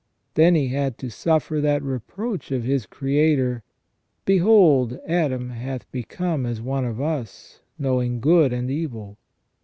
Then he had to suffer that reproach of his Creator :" Behold, Adam hath become as one of us, knowing good and evil